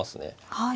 はい。